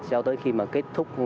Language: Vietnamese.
cho tới khi mà kết thúc